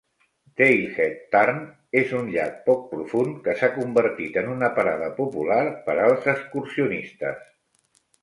Dalehead Tarn és una llac poc profund que s'ha convertit en una parada popular per als excursionistes.